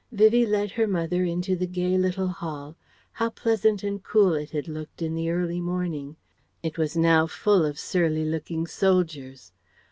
Vivie led her mother into the gay little hall how pleasant and cool it had looked in the early morning! It was now full of surly looking soldiers.